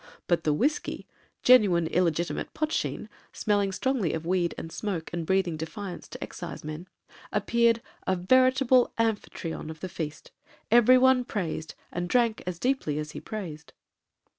But the whiskey (genuine illegitimate potsheen, smelling strongly of weed and smoke, and breathing defiance to excisemen) appeared, the 'veritable Amphitryon' of the feast; every one praised, and drank as deeply as he praised.